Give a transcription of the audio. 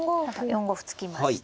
４五歩突きました。